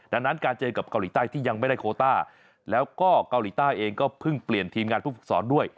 ดังนั้นการเจอกับเกาหลีใต้ที่ยังไม่ได้โคต้าแล้วก็เกาหลีใต้เองก็เพิ่งเปลี่ยนทีมงานผู้ฝึกสอนด้วย